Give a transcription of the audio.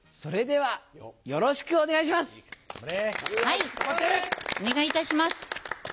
はいお願いいたします。